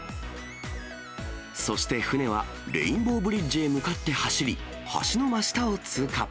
そして、船はレインボーブリッジへ向かって走り、橋の真下を通過。